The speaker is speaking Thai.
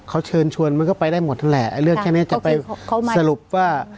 เขาเชิญชวนมันก็ไปได้หมดแหละเรื่องแค่เนี้ยจะไปเขาสรุปว่า